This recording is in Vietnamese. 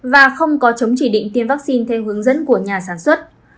và không có chống chỉ định tiêm vaccine theo hướng dẫn của nhà sản xuất